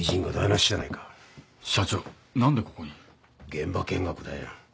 現場見学だよ。